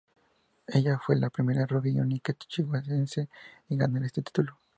Ella fue la primera rubia y única Chihuahuense en ganar este título.